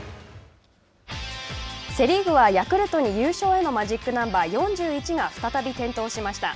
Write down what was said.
セ・リーグはヤクルトに優勝へのマジックナンバー４１が再び点灯しました。